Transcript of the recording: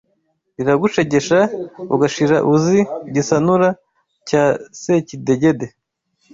Riragushegesha ugashira Uzi Gisanura cya "Sekidegede"